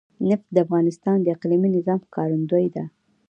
نفت د افغانستان د اقلیمي نظام ښکارندوی ده.